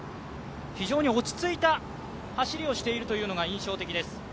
非常に落ち着いた走りをしているのが印象的です。